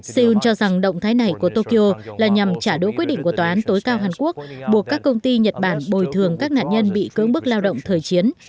seoul cho rằng động thái này của tokyo là nhằm trả đũ quyết định của tòa án tối cao hàn quốc buộc các công ty nhật bản bồi thường các nạn nhân bị cưỡng bức lao động thời chiến